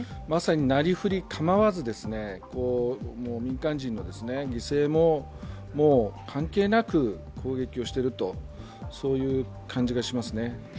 まさに、なりふり構わず民間人の犠牲も関係なく攻撃をしているという感じがしますね。